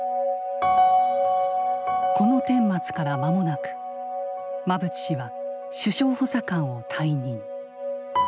このてんまつから間もなく馬淵氏は首相補佐官を退任。